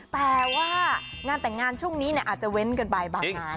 แต่ว่างานแต่งงานช่วงนี้อาจจะเว้นกันไปบางงาน